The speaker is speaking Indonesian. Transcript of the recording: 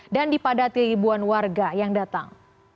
dan dipadat ke ribuan warga yang datang